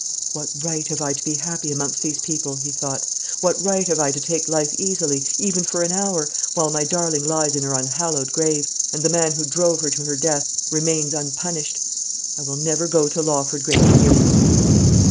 "What right have I to be happy amongst these people?" he thought; "what right have I to take life easily, even for an hour, while my darling lies in her unhallowed grave, and the man who drove her to her death remains unpunished? I will never go to Lawford Grange again."